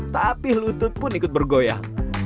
tapi lutut pun ikut bergoyang